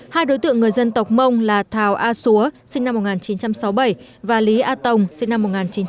hai đối tượng người dân tộc mông là thảo a xúa sinh năm một nghìn chín trăm sáu mươi bảy và lý a tồng sinh năm một nghìn chín trăm tám mươi